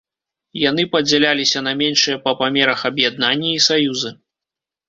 Яны падзяляліся на меншыя па памерах аб'яднанні і саюзы.